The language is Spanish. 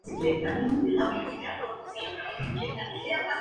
Mandarina Productora